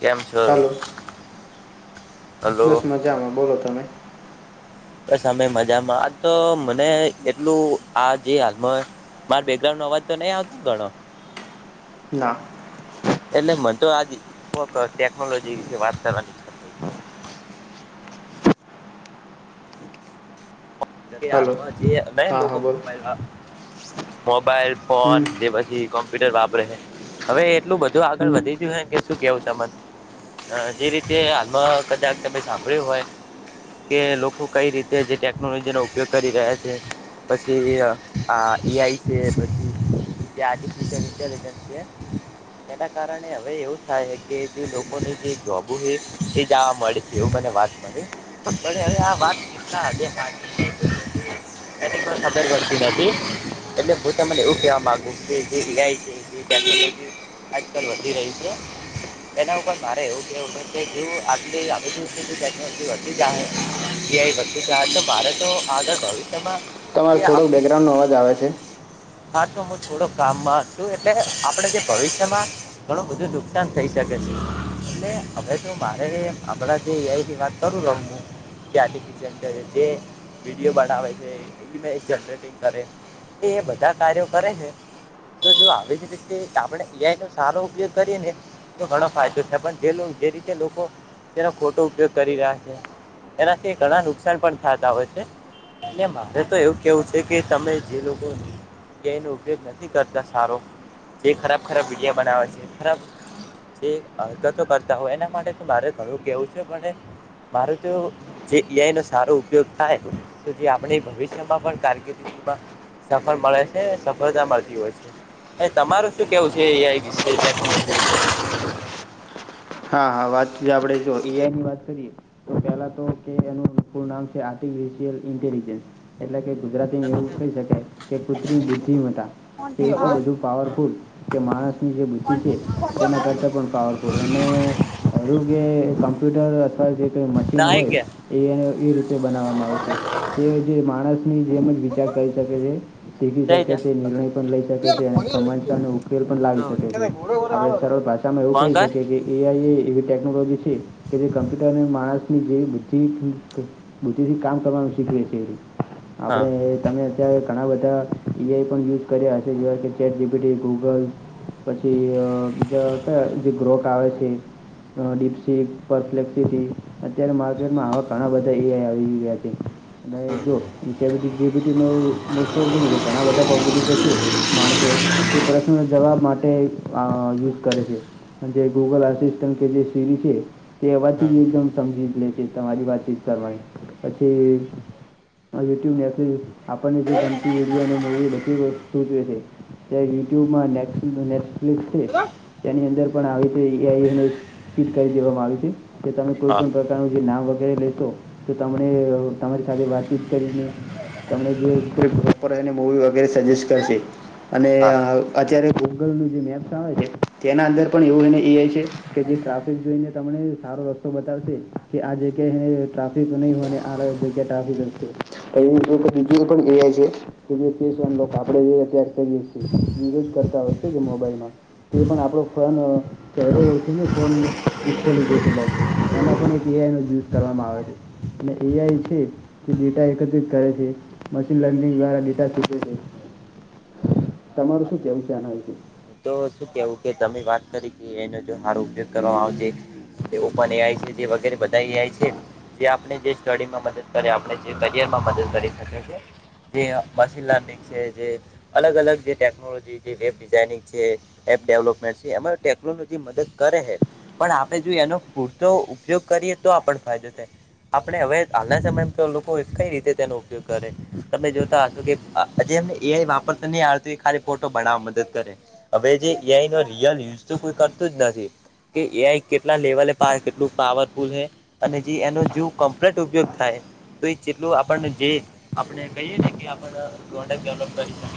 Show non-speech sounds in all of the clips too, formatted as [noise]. કેમ છો? Hello hello બસ મજામાં બોલો તમે? બસ હમે મજામાં આ તો મને એટલું આ જે હાલમા માર બેગ્રાઉ ન અવાજ તો નઈ આવતો ગણો? ના. એટલે મન તો આજ કોક ટેકનોલોજી વિશે વાત કરવાની ઈચ્છા થઇતિ. હાલો હાલમાં જે [unintelligible] હા લોકો હા બોલો મોબાઈલ મોબાઈલ. ફોન હમ જે પછી કોમ્પ્યુટર વાપરે હે હવે એટલું બધું આગળ હમ વધી ગ્યું હે કે શું કેવું તમન અ જે રીતે હાલમાં કદાત તમે સાંભળ્યું હોય કે લોકો કઈ રીતે જે ટેકનોલોજીનો ઉપયોગ કરી રહ્યા છે. પસી અ આ એ આઈ સે પછી. આ ડિજિટલ ઈન્ટલિજન્ટ છે. એના કારણે હવે એવું થાય હે કે જે લોકોની જે જોબુ હે એ જાવા મળે એવું મને વાત મળી પણે હવે આ વાત [unintelligible] [inaudible] એની પણ કદર વરતી નતી. એટલે હું તમન એવું કેવા માગુ કે જે [unintelligible] છે. [unintelligible] આજ કાલ વધી રયુ છે. એના ઉપર મારે એવું કેવું હે કે જેઓ આટલી [unintelligible] [inaudible] મારે તો આગળ ભવિષ્યમાં. તમારો જે થોડો બેગ્રાઉનો અવાજ આવે છે. આ તો હું થોડો કામમાં હતો એટલે આપળે જે ભવિષ્યમાં ઘણું બધું નુકસાન થઈ શકે છે. એટલે હવે તો મારે આપણા જે એ આઇથી વાત કરું [unintelligible] હું [inaudible] વિડીયો બનાવે છે, ઈમેજ જનરેટંગ કરે એ બધા કાર્યો કરે હે તો જો આવી જ રીતે આપણે એ આઈ નો સારો ઉપયોગ કરીએ ને તો ઘણો ફાયદો છે, પણ જે જે રીતે લોકો તેનો ખોટો ઉપયોગ કરી રહ્યા છે. એનાથી ઘણા નુકસાન પણ થાતા હોય એ મારે તો એવું કેવું છે, કે તમે જે લોકો કે એનો ઉપયોગ નથી કરતા સારો જે ખરાબ ખરાબ વિડિયા બનાવે છે, ખરાબ જે હરકતો કરતા હોય એના માટે તો મારે ઘણું કેવું છે, પણ એ મારુ તો એવુ જે એઆઈનો સારો ઉપયોગ થાય [unintelligible] આપણે ભવિષ્યમાં પણ કારકિર્દીમાં સફળ મળે છે, સફળતા મળતી હોય છે. એ તમાર શું કેવું છે? વાષ [unintelligible] હા હા વાત આપણેે જો એઆઈની વાત કરીએ તો પહેલા તો કે એનું પુરુ નામ છે, આર્ટિફિશયલ ઇન્ટેલિજન્સ એટલે કે ગુજરાતી એવું કહી શકાય કે કુત્રી બુદ્ધિમતા તે એટલું વિશે? બધું પાવરફુલ કે માણસની જે બુદ્ધિ છે, તેના કરતાં પણ પાવર ને આરોગ્ય કમ્પ્યુટર અથવા જે કઈ મશીન નાઈ હોય ગયા એને એ રીતે તે બનાવવામાં આવ છે તે જે માણસની જેમ જ વિચાર કરી શકે છે. શીખી જઈ શકે જા. છે, નિર્ણય પણ લઈ શકે છે અને સમાનનો ઉકેલ પણ લાવી શકે છે. આપડ સરળ પાસે તમે એવું ફોન કહી કર શકે એ આઈ એ એવી ટેકનોલોજી છે કે જે કમ્પ્યુટર અને માણસ ની જેવી બુદ્ધિ બુદ્ધિ થી કામ કરવાનું શીખએ છે એ, હા આપડે તમે અ ઘણા બધા ઈપણ યુઝ કર્યા હશે જેવા કે ચેટ જીપીટી, ગૂગલ પછી અ ક જે ગ્રોથ આવે છે તે. અ ડીપસી, પરફ્લેક્સિટી અત્યારે માર્કેટમાં આવા ઘણા બધા એ આઈ આવી ગયા છે. હમ નઈજો. ચેટ જી બી ટી નો મોસ્ટ ઓફ લીઝ ઘણા બધા પબ્લિકો છે, માણસો તે પ્રશ્નોના જવાબ માટે અ યુઝ કરે છે. જે ગૂગલ આસિસ્ટન્ટ કે જે સીરી છે તે એવાથી હા જ એકદમ સમજી લે છે. તમારી વાતચીત કરવાની પછી અ યુટ્યુબમાંથી આપણને જે ગમતી વિડીયો અને મૂવી બછી સૂચવે છે. તે યુટ્યુબમાં, નેક્ફ્લિક છે હા તેની અંદર પણ આવે છેને ફિટ કરી દેવામાં આવી છે જે તમે કોઈ પણ પ્ર તમે જે નામ વગેરે લેશો તો તમને તમારી સાથે વાતચીત કરીને તમને [inaudible] એને બવ વગેરે સજેસ્ટ કરશે. અને હા અત્યારે ગૂગલનું જે મેપ્સ આવે છે તેના અંદર પણ એવુંને એ આઈ છે. કે જે ટ્રાફિક જોઈને તમને સારો રસ્તો બતાવશે કે આ જગ્યાએ ટ્રાફ [unintelligible] વિડિઓ પણ એ આઈ છે. કે જે કેસન આપણેે અત્યારે કરીએ છીએ યુઝ કરતા હોય છે મોબાઈલમાં. તે પણ આપણો ફોન ચહેરો ઓળખીને ફોન જે ખોલી દે છેક એમાં પણ એક એ આઈ નો યુઝ કરવામાં આવે છે. અને એ આઈ છે. તે ડેટા એકત્રિત કરે છે, મશીન લર્નિંગ દ્વારા ડેટા શૂકવે છે. તમારું વાત શું કેવું ત્યાનું? હું તો શું કેવું કે તમે વાત કરી કે એનો જો સારો ઉપયોગ કરવામાં આવશે. ઓપન એ આઈ છે જે વગેરે બધા એ આઈ છે જે આપણે જે સ્ટડીમાં મદદ કરે આપણે જે કરિયરમાં મદદ કરી શકે છે. જે મશીન લર્નિંગ છે જે અલગ અલગ જે ટેકનોલોજી જે વેબ ડિઝાઇનિંગ છે એપ ડેવલપમેન્ટ છે, એમાં ટેકનોલોજી મદદ કરે હે. પણ આપડે જો એનો પૂરતો ઉપયોગ કરીએ તો આપને ફાયદો થાય. આપણે હવે હાલના સમય તો લોકો કઈ રીતે તેનો ઉપયોગ કરે તમે જોતા હશો કે હ એમને એ વાપર તો નહિ આવડતું એ ખાલી ફોટો બનાવા મદદ કરે. હવે જે એ આઈ નો રિયલ યુઝ તો કોઈ કરતું જ નથી. કે એ આઈ કેટલા લેવલે કેટલું પાવરફુલ હે. અને જે એનો જો કમ્પ્લીટ ઉપયોગ થાય તો એ જેટલું આપણ જે આપણે કહીએ ને કે આપ પ્રોડક્ટ ડેવલપ કરી શકે.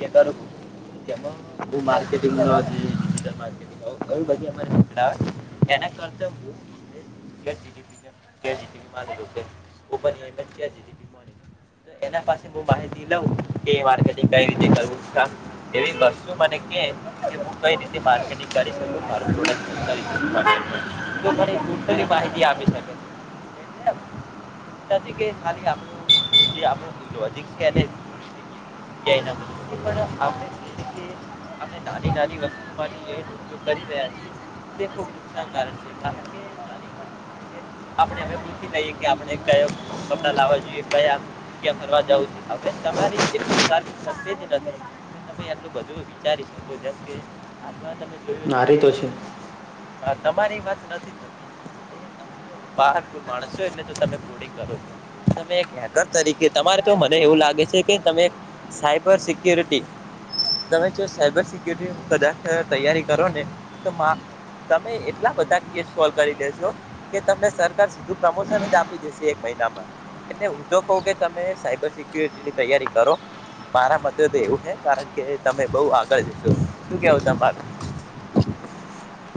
તમે [inaudible] જેમાં બવ માર્કેટંગ [inaudible] એના કરતા હું [inaudible] તો એના પાસે હું માહિતી લઉં કે માર્કેટિંગ કઈ રીતે કરવું? એવી વસ્તુ મને કે કે હું કઈ રીતે માર્કેટિંગ કરી શકુ મારી જોડે [unintelligible] માહિતી આપી શ [inaudible] એટલે એવું નથી કે ખાલી આપડું જે આપ હિજી છે એ કયના મલે પણ આપણે આપને નાની નાની વસ્તુમાંથીગ કરી રહ્યા છીએ તે ખુબ નુકસાનકારક છે કારણકે આપણે અમે પૂછી લઈએ કે આપણે કયો કપડા લાવવા જોઈએ કયા જગ્યા ફરવા જવું છ હવે તમારી એટલી સખી શક્તિ છે કે તમે આટલું બધું વિચારી શકો જેમ કે આમાં તમે જોયું છે નારી કે તો તમારી વાત નથી થતી અ તમે તો પહારપુર માણસ છો એટલે તો તમે બોડિંગ કરો છો તમે એક હેકર તરીકે તમારે તો મને એવું લાગે છે કે તમે સાયબર સિકીયોરીટી તમે જો સાયબર સિક્ય્યોરિટી કદાચ તૈયારી કરો ને તો તમે એટલા બધા કેસ સોલ્વ કરી લેેશો કે તમને સરકાર સીધું પ્રમોશન જ આપી દેશે એક મહિનામાં એટલે હું તો કહું કે તમે સાયબર સિક્યુરિટી ની તૈયારી કરો મારા મ એવું હ કારણ કે તમે બહુ આગળ જશો શું કેવો તમારું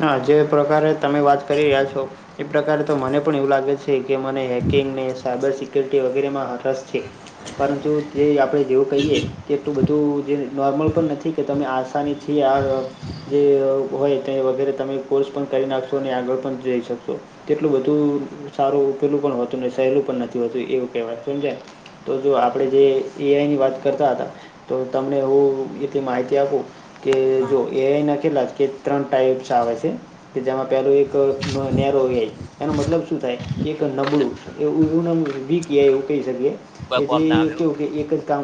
હા જે પ્રકારે તમે વાત કરી રહ્યા છો એ પ્રકારે તો મને પણ એવું લાગે છે છે કે મને હેકિંગને સાયબર સિક્યુરિટી વગેરેમાં હ રસ છે પરંતુ જે આપણે જેવું કહીએ તેટલું બધું જે નોર્મલ પણ નથી કે તમે આસાનીથી આ જે હોય તે વગેરે તમે કોર્સ પણ કરી નાખશો અને આગળ પણ જઈ શકશો તેટલું બધું સારુંકેલું પણ હોતું ને સહેલું પણ નથી હોતું એવું કહે વાત સમજાય તો જો આપણેે જે એઆઈ ની વાત કરતા હતા તો તમને હું એથી માહિતી આપું કે જો એ આઈ ના કેટલા કે ત્રણ ટાઈપ્ આવે છે કે જેમાં પેલું એક નેરો એનો મતલબ શું થાય કે એક નબળું એવું એવના વીક એવું કહી શકીએ કોઈ કોમ ના જેથી આવ્યો કવું કે એક કામ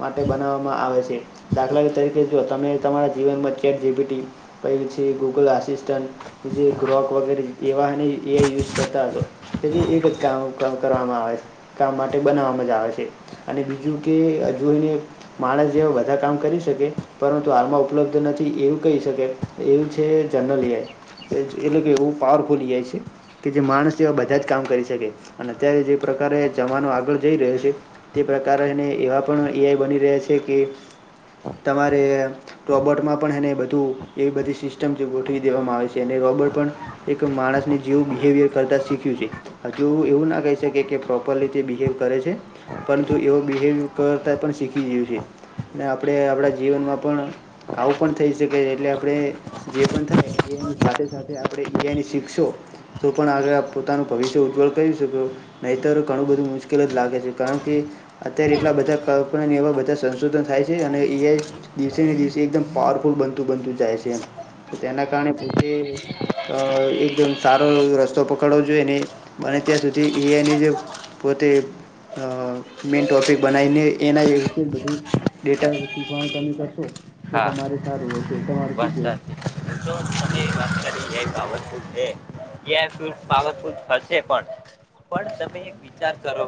માટે બનાવવામાં આવે છે દાખલા તરીકે જો તમે તમારા જીવનમાં ચેટ જીબીટીછ ગૂગલ આસિ ગ્રોક વગેરે એવાને એ યુઝ કરતા હતો પ જે એક જ કામ કરવામાં આવે કામ માટે બનાવવામાં જ આવે છે અને બીજું કે હ જોઈને માણસ જેવા બધા કામ કરી શકે પરંતુ હાલમાં ઉપલબ્ધ નથી એવું કહી શકે એવું છે જનરલ આય એટલે કે એવું પાવરફુલ એ આઈ છે કે જે માણસ જેવા બધા જ કામ કરી શકે અને અત્યારે જે પ્રકારે જમાનો આગળ જઈ રહ્યો છે તે પ્રકારને એવા પણ એઈ બની રહ્યા છે કે તમારે રોબોટમાં પણ એને બધું એવી બધી સિસ્ટ સિમ ગોઠવી દેવામાં આવે છે અને રોબર્ટ પણ એક માણસને જેવું બિવિયર કરતા શીખ્યું છે હજુ એવું ના કહી શકે કે પ્રોપરલી તે બિહેવ કરે છે પરંતુ એવો બિવ કરતા પણ શીખી ગયું છે ને આપણે આપણા જીવનમાં પણ આવું પણ થઈ શકે છે એટલે આપણે જે પણ થાય એની સાથે સાથે આપણે ઇન્ડની શીખશો તો પણ આગળ આપ પોતાનું ભવિષ્ય ઉજ્જવળ કરી શકો. નહીંતર ઘણું બધું મુશ્કેલ જ લાગે છે. કારણ કે અત્યારે એટલા બધા કલ્પના ને એવા બધા સંશોધન થાય છે. અને ઈ આઈ દિવસે ને દિવસે એકદમ પાવરફુલ બનતું-બનતું જાય છે એમ. ત તેના કારણે પોતે ક એકદમ સારો એવો રસ્તો પકડવો જોઈએ, ને બને ત્યાં સુધી એ આઈ ની જેવ પોતે અહ મેન ટોપિક બનાઈને એના એ વિશે જ બધું ડેટા શીખવાનું ચાલું કરશો. તો હા તમારે સારું રહેશે. તમારું શું કેવું? [inaudible] વાત એ આઈ પાવરફુલ છે, [unintelligible] થશે પણ, પણ તમે વિચાર કરો,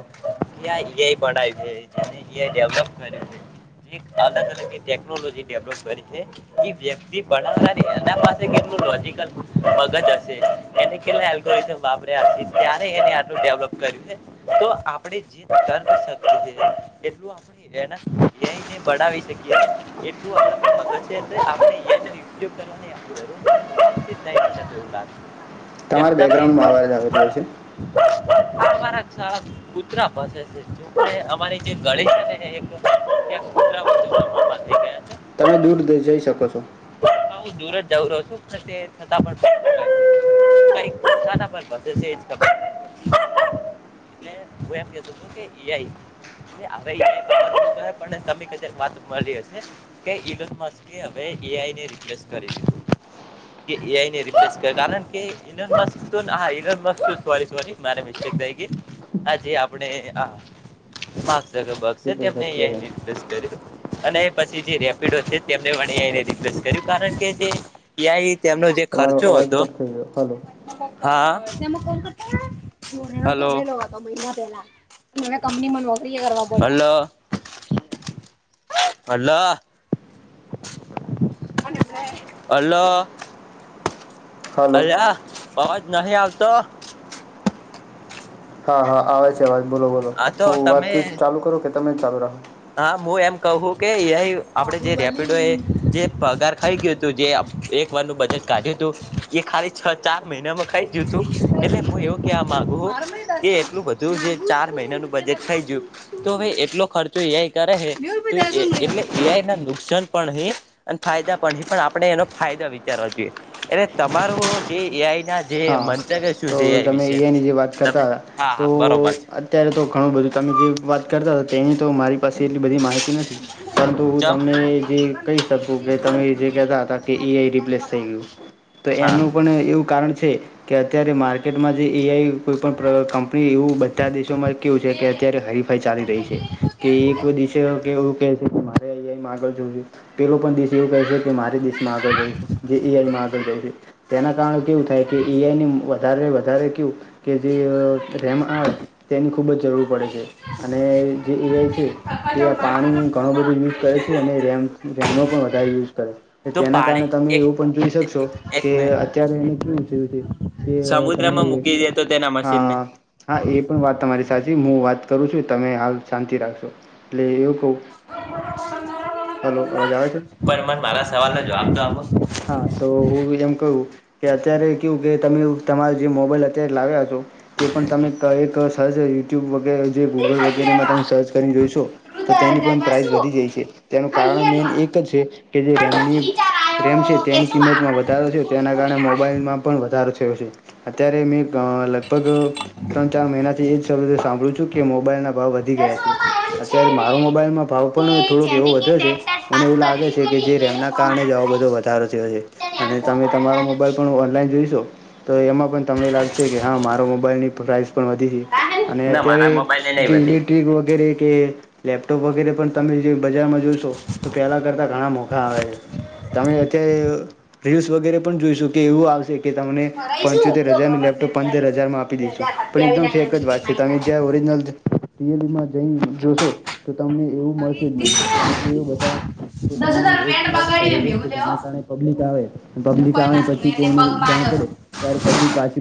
કે આ એ આઈ બણાવ્યું જે જેને, એ આઈ ડેવલપ [unintelligible] એક અલગ-અલગ એ ટેકનોલોજી ડેવલોપ કરી છે. ઈ વ્યક્તિ બણાવણાને એના પાસે કેટલું લોજિકલ મગજ હશે. એને કેટલાં એલ્ગોરીધમ વાપર્યા હશે, ત્યારે એને આટલું ડેવલપ કર્યું હે. તો આપણેે જે [unintelligible] એટલું આપણે [unintelligible] એ આઈને બણાવે શકીએ, એટલું [inaudible] મગજ છે, તોઈ આપણે એનો ઉપયોગ કરવાની [inaudible] [inaudible] જેમ તમારે બેકગ્રાઉન્ડમાં તમે અવાજ આવી રહ્યો છે. [unintelligible] કુતરા ભસેસ. [unintelligible] જોકે અમારી જે ગળી છે ને એ એક [inaudible] તમે દૂર જ જઈ શકો છો. [inaudible] રહું છું. પણ તે છતાં પણ [inaudible] [inaudible] એટલે હું એમ કહેતો તો કે એ આઈ [inaudible] વાત મલી હશે. કે ઇલન મસ્કે હવે એ આઈને રિપ્લેસ કરી દીધું. કે એ આઈને રિપ્લેસ [unintelligible] કારણ કે [unintelligible] મસ્ક [unintelligible] હા ઈરન મસ્ક, સોરી-સોરી મારે મિસ્ટેક થઈ ગઈ. આજે આપણે આ [unintelligible] કેટલી તેમને વખત એ કે આઈન રિપ્લેસ કર્યો. અને પછી જે રેપિડો છે તેમને વળી રિક્વેસ્ટ કરી, કારણ કે જે એ આઈ તેમનો જે તમારો ખર્ચો અવાજ હતો કટ થઈ ગયો હલો હા. Hello. Hello, hello. Hello. [unintelligible] Hello અવાજ નહીં આવતો. હા, હા આવે છે અવાજ બોલો-બોલો. આ તો હું તમે વાતચીત ચાલુ કરું કે તમે જ ચાલુ રાખો? હા. હું એમ કહું કે એ આઈ આપણે જે રેપિડો એ જે પગાર ખાઈ ગયું તું જે [unintelligible] [unintelligible] નું બજટ કાઢ્યું તું, એ ખાલી છ ચાર મહિનામાં ખાઈ ગય તું. એટલે હું એવું કહેવા માંગુ હુ કે એટલું બધું જે ચાર મહિનાનું બજેટ ખાઈ ગયું, તો હવે એટલો ખર્ચ ર્ચો એ આઈ કરે હે, તો એ એટલે એ આઈ ના નુકસાન પણ હે. અને ફાયદા પણ હે, પણ આપણે એનો ફાયદો વિચારવો જોઈએ. એટલે તમારું જે એ આઈ ના જે હા [unintelligible] તો તમે એ વિશે આઈની જે વાત કરતા તમે તા, હા તો હા બરોબર અત્યારે તો ઘણું બધું તમે જેવ વાત કરતા તા, તેની તો મારી પાસે એટલી બધી માહિતી નથી. પરંતુ હું ચમ તમને એ જે કહી શકું કે તમે જે કહેતા હતા કે એ આઈ રિપ્લેસ થઈ ગયું. તો હા એનું પણ એવું કારણ છે કે અત્યારે માર્કેટમાં જે એઆઈ કોઈ પણ પ્ર કંપની એવું બધા દેશોમાં કેવું છે કે અત્યારે હરીફાઈ ચાલી રહી છે. કે એક કો દિષય કે એવું કહે છે કે મારે અહીંયા આગળ જોજું પેલો પણ દેશ એવું કહે છે કે મારે દેશમાં આગળ જવું જે કે એ આઈમાં આગળ જવુ છે. તેના કારણે કેવું થાય કે એઆઈ ની વધારે વધારે કેવુ જે અ રેમ આવે તેની ખૂબ જ જરૂર પડે છે. અને જે એ આઈ છે. તે આ પાણી ઘણો બધો યુઝ કરે છે અને રેમ રેમનો પણ વધારે યુઝ કરે છે. કે તો જેના પાડે કારણે તમે એક એવું પણ જોઈ શકશો એક કે મિનિટ અત્યારે એ કેવું થયું છે. કે તમે સમુદ્રમાં મૂકી દે તો તેના મશીનને હા-હા એ પણ વાત તમારી સા પાછી હું વાત કરું છું તમે હાલ શાંતિ રાખશો એટલે એવું કવ આવે છે પણ મને મારા સવાલ નો જવાબ તો આપો. હા તો હું એમ કવું. કે અત્યારે કેવું કે તમે તમારો જે મોબાઈલ અત્યારે લાવ્યા છો. તે પણ તમે ક એક સર્ચ યુટ્યુબ વગેરે જે ગૂગલ વગેરેમાં તમે સર્ચ કરી જોઈશો. તો તેની પણ પ્રાઇસ વધી જાય છે તેનું કારણ મેન એક જ છે કે જે રેમની રેમ છે તેની કિંમતમાં વધારો થયો તેના કારણે મોબાઈલમાં પણ વધારો થયો છે. અત્યારે મેં લગભગ ત્રણ ચાર મહિના થી એ જશબ્દ સાંભળું છું કે મોબાઈલના ભાવ વધી ગયા છે. અત્યારે મારો મોબાઈલમાં ભાવ પણ થોડુંક એવો વધે છે મને એવું લાગે છે કે જે રેમના કારણે આવા વધ તો વધારો થયો છે અને તમે તમારો મોબાઈલ પણ ઓનલાઈન જોઈશો. તો એમાં પણ તમને લાગશે કે હા મારો મોબાઈલની પ્રાઇસ પણ વધી ગઈ અને ના અત્યારે મારા મોબાઈલને નહી જે બધી ઇલેક્ટ્રિક વગેરે કે લેપટોપ વગેરે પણ તમે જે બજારમાં જોશો તો પહેલાં કરતાં ઘણાં મોગા આવે છે. તમે અત્યારે રિલ્સ વગેરે પણ જોઈશું કે એવું આવશે કે તમને પંચોતેર હજારનું લેપટોપ પંદર હજારમાં આપી દેશું પણ એકદમ ફેક જ વાત કે તમે જ્યાં ઓરિજનલ રિલમાં જઈ જોશો તો તમમે એવું મળશે જ નહી કારણ કે એ બધા દસ પોતાની હજાર પેન્ટ એક એડ બગાડ્યું કરે એમ છે. એવું લેવો એના કારણે પબ્લિક આવે હું પબ્લિક કોઈ આવે ને ના પછી એને તેઓને પગ માર્યો જાણ પડે ત્યારે પબ્લિક પાછી